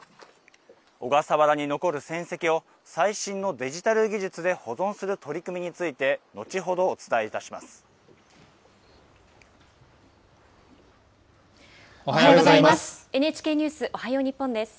小笠原に残る戦跡を最新のデジタル技術で保存する取り組みについおはようございます。